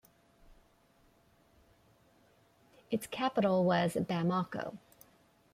Its capital was Bamako.